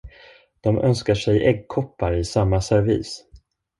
De önskar sig äggkoppar i samma servis.